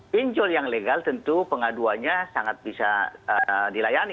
pinjol yang legal tentu pengaduannya sangat bisa dilayani